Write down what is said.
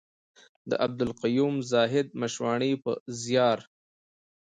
د عبدالقيوم زاهد مشواڼي په زيار.